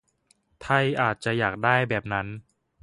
ไทยอาจจะอยากได้แบบนั้น